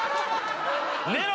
寝ろ！